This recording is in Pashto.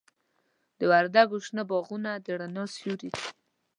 د وردګو شنه باغونه د رڼا سیوري دي.